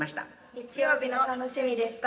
日曜日の楽しみでした。